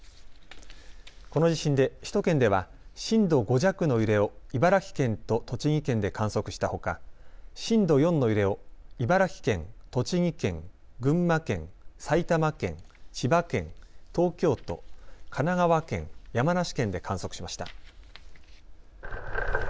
この地震で首都圏では震度５弱の揺れを茨城県と栃木県で観測したほか震度４の揺れを茨城県、栃木県、群馬県、埼玉県、千葉県、東京都、神奈川県、山梨県で観測しました。